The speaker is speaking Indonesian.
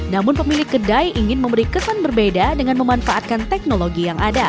namun pemilik kedai ingin memberi kesan berbeda dengan memanfaatkan teknologi yang ada